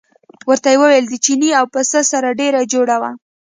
ورته ویې ویل د چیني او پسه سره ډېره جوړه وه.